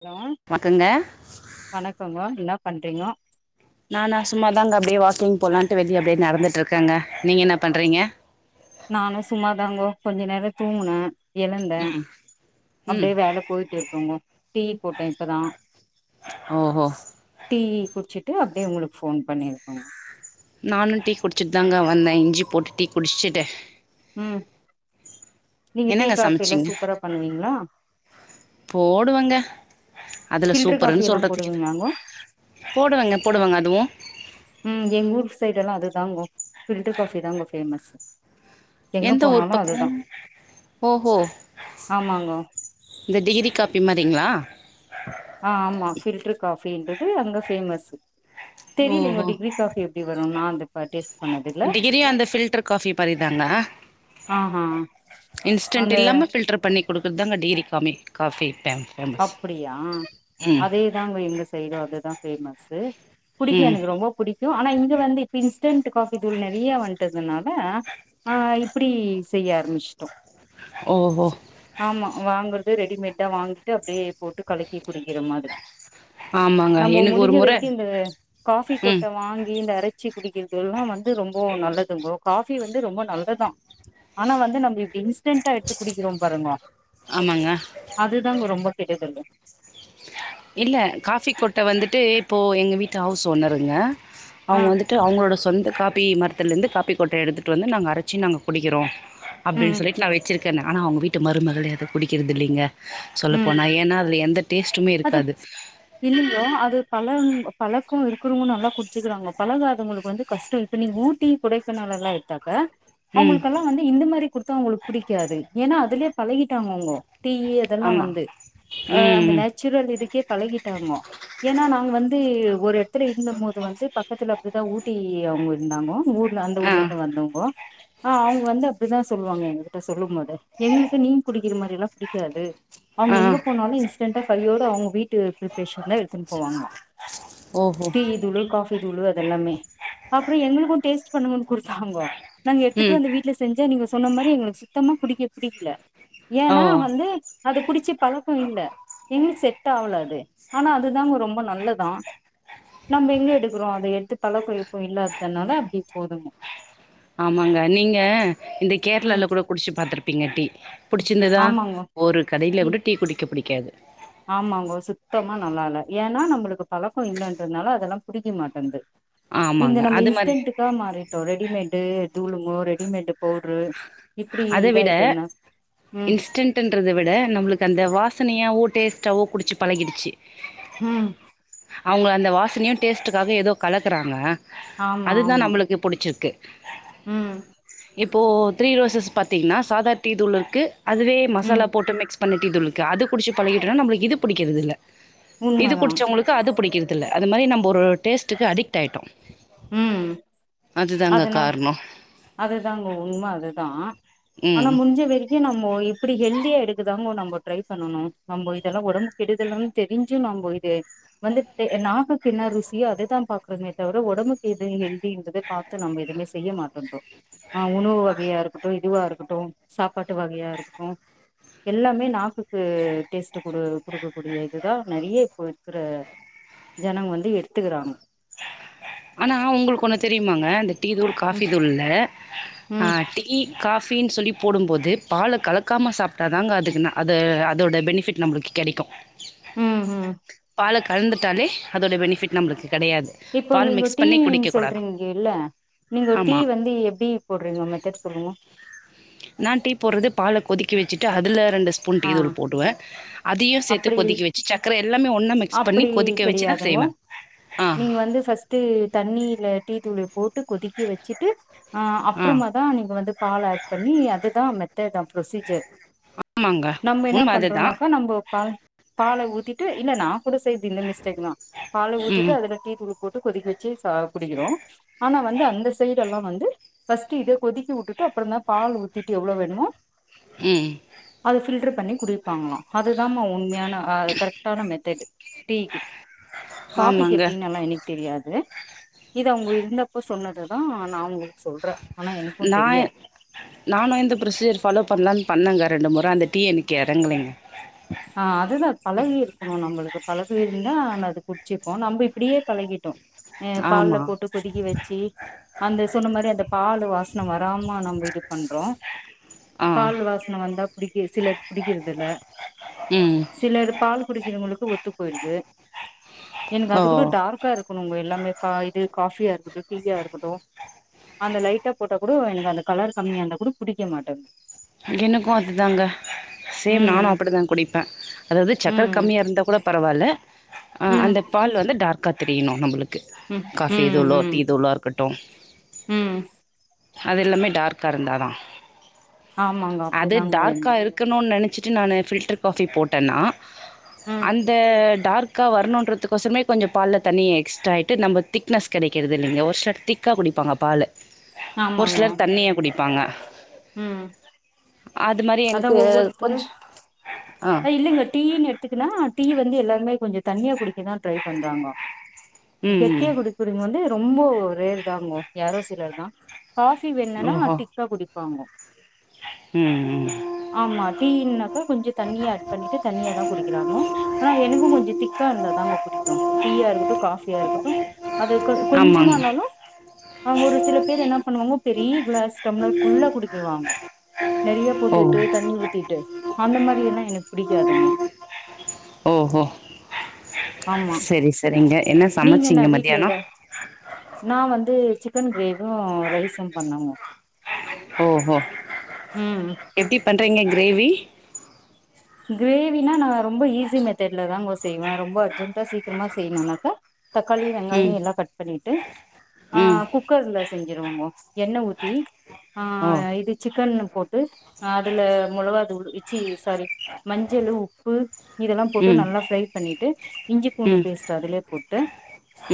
Hello வணக்கங்க வணக்கங்க என்ன பண்றீங்கோ நானா சும்மாதாங்க அப்படியே வாக்கிங் போலான்ட்டு வெளிய அப்படியே நடந்துட்டு இருக்கேங்க நீங்க என்ன பண்றீங்க நானு சும்மாதாங்கோ கொஞ்ச நேரம் தூங்குன எழுந்தே ம் அப்டியே வேல போயிட்டு இருக்குங்க டீ போட்டே இப்பதான் ஓஹோ டீ குடிச்சட் டு அப்டியே உங்களுக்கு ஃபோன் பண்ணிருக்கங் நானு டீ குடிச்சுட்டு தாங்க வந்தே இஞ்சி போட்டு டீ குடிச்சிட்டு உம் நீங்க டீ என்னங்க காஃபி எல்லா சமச்சிங்க சூப்பரா பண்ணுவீங்ளா போடுவங்க அதுல ஃபில்டர் காஃபி சூப்பருன்னு எல்லா சொல்றதுக்கு என்ன போடுவீங்களாங்கோ போடுவங்க போடுவங்க அதுவு ம் எங்க ஊர் சைடு எல்லா அதுதாங்கோ ஃபில்டர் காஃபி தாங்க ஃபேமஸ் எங்க எந்த ஊர் போனாலு பக்கோ அதுதா ஓஹோ ஆமாங்கோ இந்த டிகிரி காபி மாதிரிங்களா அப்டின்றது அங்க ஃபேமஸ் ஓ தெரியலீங்கோ டிகிரி காஃபி எப்டி வரும்னா அந்த டேஸ்ட் பண்ணதுல்ல டிகிரியு அந்த ஃபில்டர் காஃபி மாறிதாங்க ஆஹா இன்ஸ்டன்ட் அந்த இல்லாம ஃபில்டர் பண்ணி குடுக்கறதுதாங்க‌ டிகிரி கமி காஃபி ஃபேமஸ் அப்படியா ம் அதேதான்ங்க எங்க சைடு அதுதா ஃபேமஸு புடிக்கு ம் எனக்கு ரொம்ப புடிக் கு ஆனா இங்க வந்து இப்ப இன்ஸ்டன்ட் காஃபி தூள் நிறையா வந்துட்டுதுனால இப்படி செய்ய ஆரம்பிச்சுட்டோ ஓஹோ வாங்குறது ரெடிமேட்டா வாங் ட்டு அப்டியே போட்டு கலக்கி குடிக்கிற மாதி ஆமாங்க நம்ம எனக்கு ஒரு முடிஞ்ச முற வரைக்கு இந்த காஃபி ம் கொட்ட வாங்கி இந்த அரச்சி குடிக்கிறது எல்லா வந்து ரொம்போ நல்லதுங்கோ காஃபி வந்து ரொம்ப நல்லதா ஆனா வந்து நம்பளுக் இன்ஸ்டன்டா எடுத்து குடிக்கிறோ பாருங்க ஆமாங்க அது அதாங்க ரொம்ப பெரியதது இல்ல காஃபி கொட்ட வந்துட்டு இப்போ எங்க வீட்டு ஹவுஸ் ஓனருங்க ஆ அவங்க வந்துட்டு அவங்களோட சொந்த காப்பி மர் த்துலந்து காப்பி கொட்ட எடுத்துட்டு வந்து நாங்க அரச்சி நாங்க குடிக்கிறோ அப்டின் ம் சொல்லிட்டு நா விக்கி ஆனா அவங்க வீட்டு மருமகள் ஏது குடிக்கிறது இல்லைங்க சொல்ல ம் போனா ஏன்னா அதுல எந்த டேஸ்ட்டுமே அது இருக்காது இயயோ அது பழ பழக்க இரு க்கறவங்க நல்லா குடிச்சிக்கிறாங்கோ பழகாதவங்களுக்கு வந்து கஷ்ட இப்ப நீங்க ஊட்டி கொடைக்கானல் எல்லா எடுத்தாக் கா ம் அவங்களுக்கெல்லா வந்து இந்த மாதிரி குடுத்தா அவங்களுக்கு பிடிக்காது ஏன்னா அதுலயே பழகிட்டாங்க அவுங்கோ டீ யு அதெல்லா ஆமா வந்து ம் அந்த ம். நேச் சுரல் இதுக்கே பழகிட்டாங்கோ ஏன்னா நாங்க வந்து ஒரு எடத்துல இருந்த மோது வந்து பக்கத்துல அப்படிதா ஊட்டி அவுங்க இருந்தாங்கோ ஊ அந்த ஆ ஊர்ல இருந்து வந்தவங்கோ ஆ அவங்க வந்து அப்படிதா சொல்லுவாங்க எங்க கிட்ட சொல்லும் போது எங்களுக்கு நீங் குடிக்கிற மாரி எல்லா புடிக்காது அவங்க ஆ எங்க போனாலு இஸ் ரெண்டு கையோட அவ்ங்க வீட்டு பிப்ரேஷன் தா எடுத்துன்ட்டு போவாங்களாம் ஓஹோ டி தூளு காஃபி தூளு து எல்லாமே அப்றோ எங்களுக்கும் டேஸ்ட் பண்ணுங்கனு கொடுத்தாங்கோ நாங்க எட்த்துட்டு ம் வந்து வீட்டு்ல செஞ்ச நீங்க சொன்ன மாரி எங்களுக்கு சுத்தமா புடிக்க புடிக்ல ஏன்னா ஓ வந்து அது குடிச்சி பழக்கம் இல்ல முளுக்கு செட் ஆவல அது ஆனா அதுதாங் ரொம்ப நல்லதான் நம்ம எங்க எடுக்குறோம் அத எட்த்து பழக்கோ இப்ப இல்லாததுனாலா அப்டி போதுங் ஆமாங்க நீங்க இந்த ம் கேர்ளால்ல கொட குடிச்சி பாத்துருப்பீங்க டீ புடிச்சிருந்ததா ஆமாங்கோ ஒரு கடையில இ கூட டீ குடிக்க பிடிக்க புடிகாது ஆமாங்கோ சுத்தமா நல்லா இல்ல ஏன்னா நம்மளுக்கு பழக்கம் இல்லன்றதுனால அதெல்லாம் புடிக்க மாட்டங்குது இந்த ஆமாங்க நம்ம அது மாரி இன்ஸ்டண்ட்டக்கா மாறிட்டோம் ரெடிமேடு தூலுங்கோ ரெடிமேட் அதை விட ம் இன்ஸ்டன்ட்ன்றத விட நம்மளுக்கு அந்த வாசனையா ஊட் டேஸ்ட்டாவோ குடிச்சி பழகிடுச்சு உம் அவுங்க அந்த வாசனையு டேஸ்ட்டுக்காகவே ஏதோ கலக்குறாங்க அது தான் நம்மளுக்கு புடிச்சிருக்கு இல்ல உம் இப்போ த்ரீ ரோஸஸ் பாத்திங்னா சாதா டீ தூளுக்கு அதுவே ம் மசாலா போட்டு மிக்ஸ் பண்ண டீ தூள் இருக்கு அது குடிச்சி பழகிட்டான நம்பளுக்கு இது பிடிக்கிறது இல்ல இது உண்மதா குடிச்சவங்களுக்கு அது புடிக்கிது இல்ல அது மாதிரி நம்ம ஒரு டேஸ்ட்டுக்கு அடிக்ட் ஆய்ட்டோம் ம் அதனால காரணோ அது தாங்க உண்ம அது தான் ஆனா ம் முடிஞ்ச வரைக்கு நம் போய் இப்படி ஹெல்தியா எடுக்கதாங்க நம்ப டிரை பண்ணணு நாம்போ இதெல்லா ஒடம்புக்கு கெடுதல்னு தெரிஞ்சு நம்போ இது வந்துட்டு நாக்குக்கு என்ன ருசியோ அத தா பாக்றமே தவிர ஒடம்புக் எது ஹெல்திங்கறத பாத்து நம்ப எதுவுமே செய்ய மாட்டோன்றோ ஆ உணவு வகையா இருக்கட்டும் [unintelligible] இதுவா இருக்கட்டு சாப்பாட்டு வகையா இருக்கட்டு எல்லாமே நாக்குக்கு டேஸ்ட்டு குடு குடுக்கக்கூடிய இதுதா நெறைய இப்ப இருக்கிற ஜனங்க வந்து எடுத்துக்குறாங்க ஆனா உங்களுக்கு ஒண்ணு தெரியுமாங்க அந்த டீ தூள் காஃபி ம் தூள்ல் ம் ஆ டீ காஃபின்னு சொல்லி போடும்போது பால கலக்காம சாப்ட்டா தாங்க அதுக்குனு அது அதோட பெனிப்ஃபிட் நம்ளுக்கு கெடைக்கு ம் ம் பாலக் கலந்துட்டாலே அதோட பெனிப்ஃபிட் நம்ளுக்கு கெடையாது இப்போ பால் நீங்க மிக்ஸ் பண்ணி டீன்னு குடிக்க கூடாதா சொல்றீங்க இல்ல நீங்க டீ ஆமா வந்து எப்படி போடுவீங்க மெத்தேட் சொல்லுங்க சிட்டா அதுல ரெண்டு ஸ்பூன் டீ ஆ தூள் போடுவே அதியு சேத்து அப்டி கொதிக்க வச்சி சக்கர எல்லாமே ஒன்னா மிக்ஸ் பண்ணி அப்டி கொதிக்க வச்சிதா செய்வே ஆ து தண்ணீல டீ தூளு போட்டு கொதிக்க வச்சிட்டு ஆ அப்புறமா தா நீங்க வந்து பால் ஆட் பண்ணி அது தா மெத்தேட்டா புரொசீஜர் ஆமாங்க நம்ம என்ன உண்மை அதுதான் பண்றோனாக்கா பால பால ஊத்திட்டு இல்லன்னா கூட செய்றது இந்த மிஸ்டேக் தா பால ஊத்திட்டு ம் அதுல டீ தூளு போட்டு கொதிக்க வச் டீ குடிக்கிறோம் ஆனா வந்து அந்த சைடு எல்லாம் வந்து பர்ஸ்ட் இதை கொதிக்க வுட்டுட்டு அப்புறம் தான் பால் ஊத்திட்டு எவ்வளவு வேணுமோ உம் பில்டர் பண்ணி குடிப்பாங்களா அதுதாமா உண்மையான ஆ கரெக்டான மெதட் டீக்கு காபிக்கு ஆமாங்க எப்படினு எல்லாம் எனக்கு தெரியாது இது அவங்க இருந்தப்ப சொன்னதுதான் நா உங்களுக்கு சொல்றன் நா நானும் இந்த பு்ரொசீஜர் பாலோ பண்ண பண்ணுங்க ரெண்டு முறை அந்த டீ எனக்கு எறங்கலங்க ஆ அதுதான் பழகி இருக்கணும் நம்மளுக்கு பழகிருந்தா அது குச்சிப்போம் நம்ம இப்படியே பழகிட்டோம் ஆ பால்ல ஆமாம் போட்டு கொதிக்க வச்சி அந்த சொன்ன மாரி அந்த பால் வா பிரச்சன வராம நம்ம இது பண்றோம் ஆ பால் வாசனை வந்தா புடிக்க சிலர் புடிக்கிறது இல்ல ம் சிலர் பால் குடிக்கிறவங்களுக்கு ஒத்து போயிருது எனக்கு அது கூட ஓ டார்க்கா இருக்கு பொன்ணுங்க எல்லாமே பா இது காஃபியா இருக்கட்டும் டீயா இருக்கட்டும் அந்த லைட்டாக போட்டா கூட எனக்கு அந்த கலர் கம்மியா இருந்தா கூட பிடிக்க மாட்டேங்குது எனக்கும் அதுதாங்க சேம் நானும் ம் அப்படிதான் குடிப் பே அதாவது சக்கரை ம் கம்மியா இருந்தா கூட பரவால்ல ஆ ம் அந்த பால் வந்து டார்க்கா தெரியணும் நம்மளுக்கு ம் காஃபி ம் தூளோ டீ ம் தூளோ இருக்கட் டூம் ம் அது எல்லாமே டார்க்கா இருந்தாதான் ஆமாங்க அது அப்டிதாங்க டார்க்கா வேணு இருக்கணும்னு நினைச்சு னு நானு ஃபில்டர் காஃபி போட்டனா ம் அந்த டார்க்கா வரனுன்றதுக் கொசமே கொஞ்ச பால்ல தண்ணி எக்ஸ்ட்ரா ஆயிட்டு நம்ப திக்னஸ் கெடைக்கிறதில்லைங்க ஒரு சிலர் திக்கா குடிப்பாங்க பாலு ஒரு சிலர் தண்ணியா குடிப் பாங்க உம் அதா எனக்கு ஒவ்வொருத்தரு கொஞ்சம் ஆ அஹ் இல்லைங்க டீயின் எடுத்துக்குனா டீ வந்து எல்லாருமே கொஞ்ச தண்ணியா குடிக்க தா ட்ரை பண்றாங்க ம் ம் கெட்டியா குடிக்கக்கூடியவ்ங்க வந்து ரொம்ப ரேரு தாங்கோ யாரோ சிலர் தா காஃபி வேன்னனா ஓஹோ டிக்கா குடிக் பாங்கோ ம் ம் ஆமா டீயின்னாக்க கொஞ்ச தண்ணி ஆட் பண்ணிட்டு தண்ணியா தா குடிக்கிறாங்க ஆனா எனக்கு கொஞ்ச திக்கா இருந்தாதாங்க புடிக்கு டீயா இருக்கட்டு காஃபியா இருக்கட்டு அது கொ ஆமாங்க கொஞ்சமானாலு அவ்ங்க ஒரு சில பேரு என்ன பண்ணுவாங்கோ பெரிய க்ளாஸ் டம்ளர் ஃபுல்லா குடுக்கிவாங்கோ நெறயா ஓ போட்டுட்டு தண்ணி ஊத்திட்டு அந்த மாரி எல்லா எனக்கு புடிக்காதுங்க ஆமா செரி செரிங்க என்ன நீங்க என்ன சமச்சீங்க வீட்ல மத்யான எத நா வந்து சிக்கன் கிரேவ் யு ரைசும் பண்ணங்கோ உம் றீங்க கிரேவி கிரேவினா நா ரொம்ப ஈஸி மெத்தட்ல தாங்கோ செய்வ ரொம்ப அர்ஜென்டா சீக்ரமா செய்ணுனாக்கா தக்காளி ம் வெங்காய எல்லா கட் பண்ணிட்டு ம் ஆஹ் குக்கருல செஞ்சுருவங்கோ எண்ண ஊத்தி ஓ ஆஹ் இது சிக்கன்னு போட்டு ஆஹ் அதுல மொளகாதூளு ச்சி சார் மஞ்சளு உப்பு இதெல்லா போட்டு ம் நல்லா ஃப்ரை பண்ணிட்டு இஞ்சி பூண்டு ம் பேஸ்ட் அதுலே போட்டு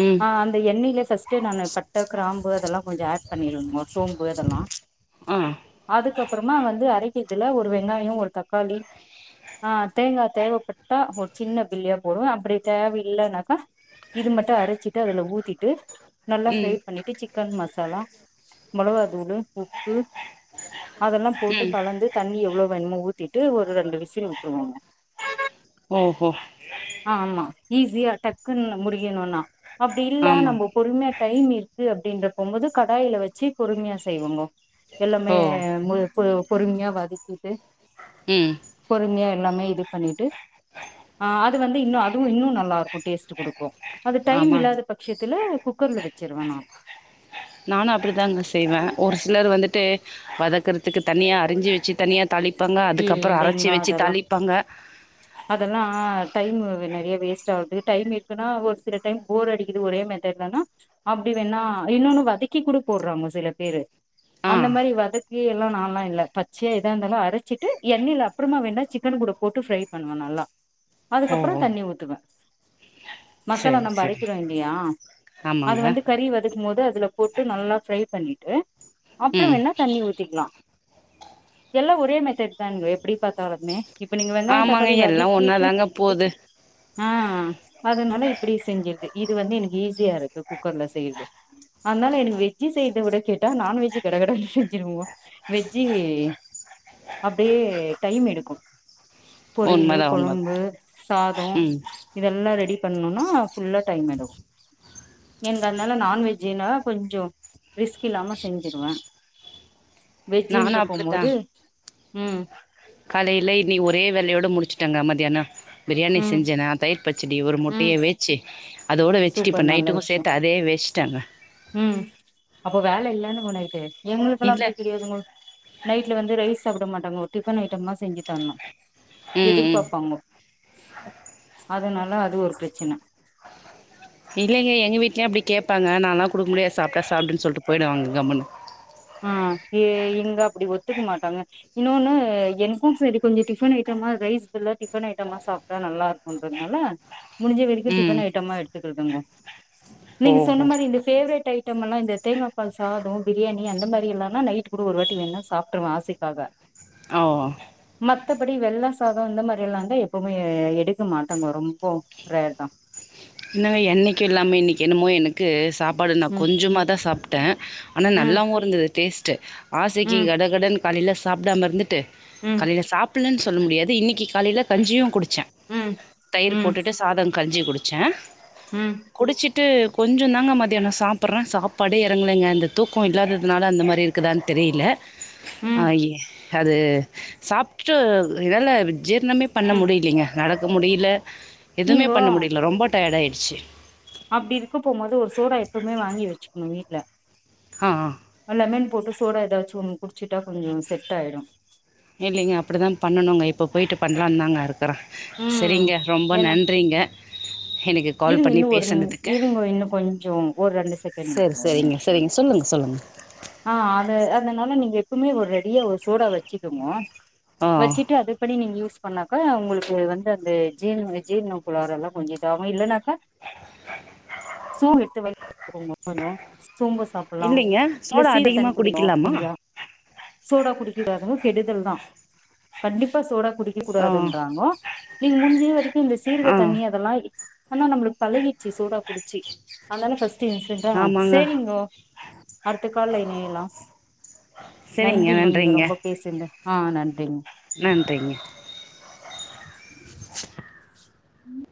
ம் ஆஹ் அந்த எண்ணெய்லே ஃபஸ் ட்டு நானு பட்ட கிராம்பு அதெல்லா கொஞ்ச ஆட் பண்ணிருவோங்க சோம்பு அதெல்லா ஆ அதுக்கப்றமா வந்து அரைக்க இதுல ஒரு வெங்காய ஒரு தக்காளி ஆஹ் தேங்கா தேவப்பட்டா ஒரு சின்ன பில்லியா போடுவோ அப்டி தேவயில்லனாக்கா இது மட்டு அரச்சிட்டு அதுல ஊத்திட்டு நல்லா ஃப்ரை ம் பண்ணிட்டு சிக்கன் மசாலா மொளகாதூளு உப்பு அதெல்லா போட்டு ம் கலந்து தண்ணி எவ்ளோ வேணுமோ ஊத்திட் ட்டு ஒரு ரெண்டு வி சில் விட்ருவோங்க ஓஹோ ஆஹ் ஆமா ஈஸியா டக் க்கு முடிக்கணுன்னா அப்டி இல்ல ஆமா நம்ப பொறுமையா டைம் இ ருக்கு அப்டின்ற போபோது கடாய்ல வெச்சு பொறுமையா செய்வோங்கோ ஓ எல்லாமே பொறுமையா வதக்கிட்டு உம் பொறுமையா எல்லாமே இது பண்ணிட்டு ஆஹ் அது வந்து இன்னு அது இன்னு நல்லா இருக்கு டேஸ்ட் குடுக் ஆமா குக்கர்ல வச்சிருவே நா நானும் அப்டித்தாங்க செய்வ ஒரு சிலர் வந்து ட்டு வதக்கறதுக்கு தனியா அறிஞ்சு வெச்சு தனியாக தாளிப்பாங்க அதுக்கப்புறம் அரைச்சி வச்சு தாளிப்பாங்க அதெல்லாம் ஆஹ் டைம் நெறைய வேஸ்ட் ஆகுது. டைம் இருக்குன்னா ஒரு சில டைம் போர் அடிக்குது ஒரே மெதட்ல தான் அப்படி வேணணா இன்னொன்னு வதக்கி கூட போடுறாங்க சில பேரு ஆ அந்த மாரி வதக் ஹ் எல்லாம் நாம் இல்ல பச்சையா இதா இருந்தல்லாம் அரைச்சிட்டு எண்ணெய்ல அப்றமா வேணா சிக்கன் கூட போட்டு ஃப்ரை பண்ணுவன் நல்லா ஓ அதுக்கப்புறம் ஓ தண்ணி ஊத்துவேன் மசாலா சரி நம்ம சரி அரைக்கிறோம் இல்லையா, அது ஆமாங்க வந்து கறி வதக்கும் போது அதுல போட்டு நல்லா ஃப்ரை பண்ணிட்டு அப்புறம் ம் வேனா தண்ணி ஊத்திக்கலாம் எல்லாம் ஒரே மெத்தட் தாங்க எப்டி பாத்தாலுமே இப்போ நீங்க வெங்காயத்த எங்க எல்லாம் ஒன்னாதாங்க போது ஆஹ் அதனால இப்டி செஞ்சிருது இது வந்து எனக்கு ஈஸியா இருக்கு குக்கர்ல செய்யறது அதனால எனக்கு வெஜ்ஜி செய்யறத விட கேட்டா நான்வெஜ்ஜி கடகடை செஞ்சிருவோம் வெஜ்ஜு அப்டியே டைம் எடுக்கும் பொரியல்லு உண்மதா உண்மதா கொழம்பு சாதம் ம் இதெல்லாம் ரெடி பண்ணனுனா ஃபுல்லா டைம் எடுக்கும் ஏங்க அதனால நான்வஜ் கொஞ்சம் ரிஸ்க் இல்லாம செஞ்சுருவேன் நானும் அப்டித்தா ம் காலையில இனி ஒரே வேலையோட முடிச்சுட்டாங்க மதியானா பிரியாணி ம் செஞ்சேனா தயிர் பச்சடி ஒரு ம் முட்டையை வச்சு அதோடு வச்சுட்டு இப்போ நைட்டுக்கும் சேர்த்து அதே வச்சுட்டாங்க உம் அப்போ வேலை இல்லலைன்னு உனக்கு எங்களுக்கெல்லாம் இல்ல அப்டி கிடையாதுங்கோ நைட்ல வந்து ரைஸ் சாப்ட மாட்டாங்க ஒரு டிஃபன் ஐட்டம் தாம் செஞ்சு தரணும் ம் ம் எதிர்பார்ப்பாங்க அதனால அது ஒரு பிரச்சனை எங்கவீட்லயும் அப்டி கேட்பங்க நாலாம் கொடுக்க முடியது சாப்டா சாப்டுன் சொல்லிட்டு போயி்டடுவாங்க கம்முனு உம் ஏ இங்க அப்டி ஒத்துக்க மாட்டாங்க இன்னொன்னு எனக்கும் சரி கொஞ்சம் டிஃபன் ஐட்டமா ரைஸ் பல்லா டிஃபன் ஐட்டமா சாப்டா நல்லா இருக்கும்றதுனால முடிஞ்ச வரைக்கும் ம் டிஃபன் ஐட்டம்மா எடுத்துக்கதுங்கோ ஓ நீங்க சொன்ன மாரி இந்த பேவரட் ஐ டம்மெல்லா இந்த தேங்கா பால் சாதோ பிரியாணி அந்த மாரி இல்லாம்மா நைட் கூட ஒரு வாட்டி வேண்னா சாப்ட்ருவே ஆசைக்காக ஓ மத்தபடி வெள்ள சாதோ இந்த மாரி எல்லாந்தா எப்போமே எடுக்க மாட்டாங்க ரொம்போ ரேர் தா [unintelligible] என்னைக்கு எல்லாமே இன்னி என்னமோ எனக்கு சாப் பாடு நா ம் கொஞ்சமா தா சாப் த ஆனா ம் நல்லாவு இருந்துது டேஸ் ட்டு ஆசைக்கு ம் கடகடனு காலில சாப்டாம இருந்துட்டு ம் காலில சாப்லேன்னு சொல்ல முடியாது இன்னிக்கு காலேய்ல கஞ்சியு குடிச் சே ம் தயிர் போட்டுட்டு சாதோ கஞ்சி குடிச்ச ச்ச உம் ட்டு கொஞ்சு தாங்க மதியானு சாப்பிற்ற சாப்பாடு எறங்லேங்க அந்த தூக்கோ இல்லாததுனால அந்த மாரி இருக்குதான்னு தெரில ம் ஆயே அது சாப்ட்டு இதால ஜீர்ணமே பண்ண ம் முடிலிங்க நடக்க முடில எவுமே நீங்கோ பண்ண முடி ரொம்ப டயடா ஆய்டிச்சு அப்டி இருக்க போம்போது ஒரு சோடா எப்பவுமே வாங்கி வச்சிக்ணு வீட்ல அ அ லெமன் போட்டு சோடா ஏதாச்சும் குடிச்சிட்டா கொஞ்சு செட் ஆயிடு இல்லிங்க அப்படிதா பண்ணனுங்க இப்போ போய்ட்டட்டு பண்ணலாந்தாங்க இருக் கறே ம் செரிங்க ரொம்ப ஏன்னா நன்றிங்க எனக்கு கால் இருங்க பண்ணி இன்னு ஒரு நிம் பேசுனதுக்கு இருங்க இன்னு கொஞ்சோ ஒரு ரெண்டு செகண்ட் சரி இருங்க ஒரு சரிங்க நிமிஷோ சரிங்க சொல்லுங்கள் சொல்லுங்கள் ஆ அது அதனால நீங்க எப்புமே ஒரு ரெடியா ஒரு சோடா வச்சுக்குங்க ஆ வச்சிட்டு அது பண்ணி நீங்க யூ ஸ் பண்ணாக்கா உங்குளுக்கு வந்து அந்த ஜீ ஜீரண கோளார எல்லா கொஞ்சோ இதா இல்ன்னாக்கா சூ [unintelligible] சோம்பு சாப்பிடலா இல்லைங்க இல்ல சோடா சீரக தண்ணி அதிகமாக குடிக்கணு குடிக்கலாமா முடிஞ்சா சோடா குடிக்க கூடாதுங்க கெடுதல்தா கண்டிப்பா சோடா குடிக்கக்க ஆ கூடாதுன்றாங்கோ நீங்க முடிஞ்ச வரைக்கு இந்த சீரக ஆ தண்ணி அதெல்லா ஆனா நம்மளுக்கு பழகிடுச்சு சோடா குடிச்சு அதனால ஃபஸ்டு ஆமாங்க சரிங்கோ அடுத்த கால்ல இணையலா சரிங்க நன்றிங்கோ நீங்க நன்றிங்க ரொம்ப பேசுன்து ஆ நன்றிங்க நன்றிங்க